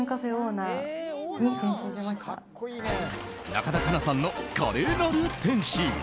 中田花奈さんの華麗なる転身。